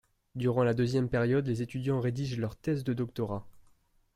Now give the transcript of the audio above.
Durant la deuxième période, les étudiants rédigent leurs thèses de doctorat.